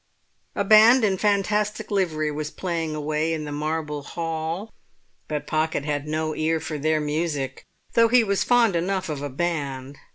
A band in fantastic livery was playing away in the marble hall; but Pocket had no ear for their music, though he was fond enough of a band.